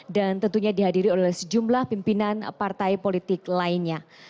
dan tentunya dihadiri oleh sejumlah pimpinan partai politik lainnya